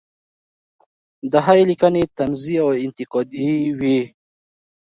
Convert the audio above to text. د هغې لیکنې طنزي او انتقادي وې.